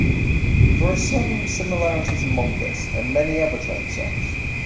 There are some similarities among this, and many other train songs.